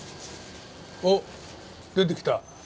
おっ出てきた。